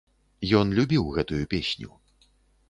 Ён любіў гэтую песню.